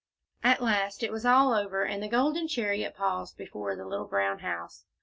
At last it was all over, and the golden chariot paused before the little brown house.